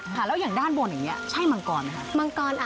ค่ะแล้วอย่างด้านบนอย่างนี้ใช่มังกรไหมคะ